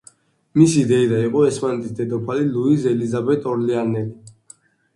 მისი დეიდა იყო ესპანეთის დედოფალი ლუიზ ელიზაბეტ ორლეანელი.